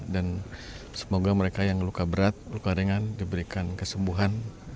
dan semoga mereka yang luka berat luka ringan diberikan kesembuhan